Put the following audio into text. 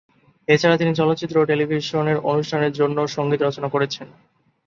এছাড়া তিনি চলচ্চিত্র ও টেলিভিশনের অনুষ্ঠানের জন্যও সঙ্গীত রচনা করেছেন।